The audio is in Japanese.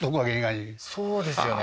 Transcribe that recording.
そうですよね